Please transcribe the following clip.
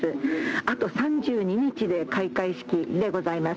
あと３２日で開会式でございます。